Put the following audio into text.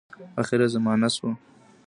آخره زمانه سوه .